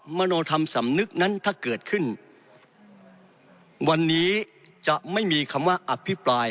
มโนธรรมสำนึกนั้นถ้าเกิดขึ้นวันนี้จะไม่มีคำว่าอภิปราย